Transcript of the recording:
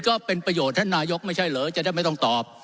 ก็เป็นประโยชน์ท่านนายกไม่ใช่เหรอจะได้ไม่ต้องตอบ